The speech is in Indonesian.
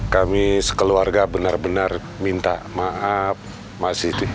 kami sekeluarga benar benar minta maaf mak siti